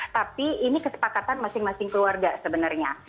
tapi ini kesepakatan masing masing keluarga sebenarnya